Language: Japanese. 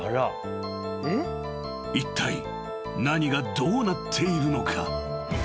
［いったい何がどうなっているのか？］